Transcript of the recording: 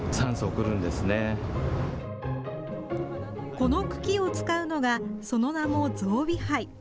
この茎を使うのがその名も象鼻杯。